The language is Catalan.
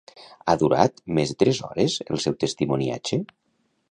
Ha durat més de tres hores el seu testimoniatge?